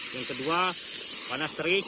yang kedua panas serik